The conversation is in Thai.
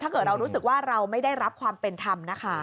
เกิดเรารู้สึกว่าเราไม่ได้รับความเป็นธรรมนะคะ